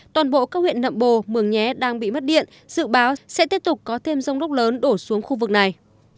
toàn bộ các huyện nậm bồ mường nhé đang bị mất điện dự báo sẽ tiếp tục có thêm rông lốc lớn đổ xuống khu vực này